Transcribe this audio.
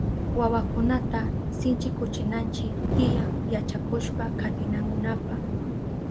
Wawakunata sinchikuchinanchi tiyan yachakushpa katinankunapa.